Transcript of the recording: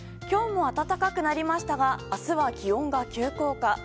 今日も暖かくなりましたが明日は気温が急降下。